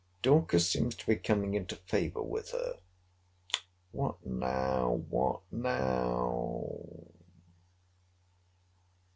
Dorcas seems to be coming into favour with her— What now!—What now!